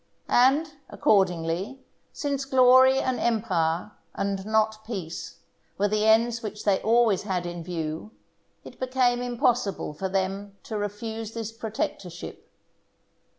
And, accordingly, since glory and empire, and not peace, were the ends which they always had in view, it became impossible for them to refuse this protectorship.